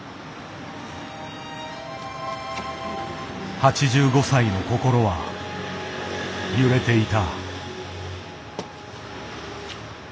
８５歳の心は揺れていた。